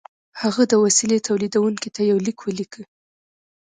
هغه د وسیلې تولیدوونکي ته یو لیک ولیکه